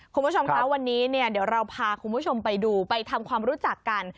คุณผู้ชมคะวันนี้เนี่ยเดี๋ยวเราพาคุณผู้ชมไปดูไปทำความรู้จักกัน